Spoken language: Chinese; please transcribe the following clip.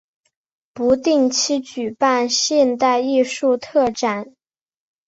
不定期举办现代艺术特展。